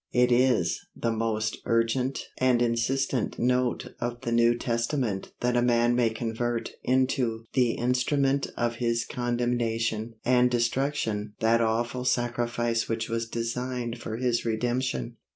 It is the most urgent and insistent note of the New Testament that a man may convert into the instrument of his condemnation and destruction that awful sacrifice which was designed for his redemption.